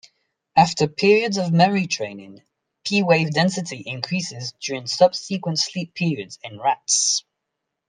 After periods of memory training, P-wave density increases during subsequent sleep periods in rats.